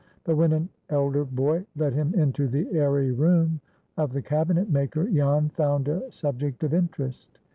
But, when an elder boy led him into the airy room of the cabinet maker, Jan found a subject of interest.